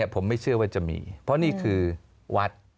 ผมไม่เชื่อว่าจะมีเพราะนี่คือวัด